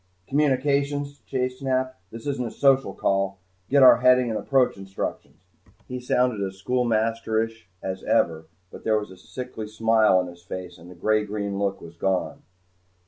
"Communications," Chase snapped. "This isn't a social call. Get our heading and approach instructions." He sounded as schoolmasterish as ever, but there was a sickly smile on his face, and the gray green look was gone.